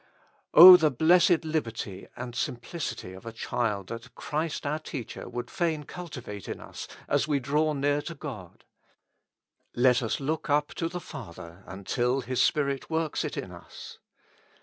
O the blessed liberty and simplicity of a child that Christ our Teacher would fain cultivate in us, as we draw near to God ; let us look up to the Father until His Spirit works it in us.